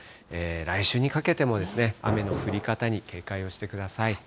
来週にかけても雨の降り方に警戒をしてください。